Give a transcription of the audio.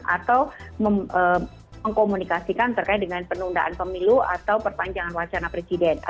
atau mengkomunikasikan terkait dengan penundaan pemilu atau perpanjangan wacana presiden